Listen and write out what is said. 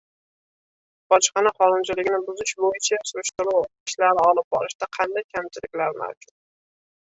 Bojxona qonunchiligini buzish bo‘yicha surishtiruv ishlari olib borishda qanday kamchiliklar mavjud?